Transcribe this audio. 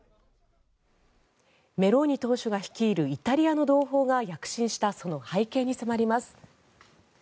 メローニ党首が率いるイタリアの同胞が躍進した、その背景に迫ります。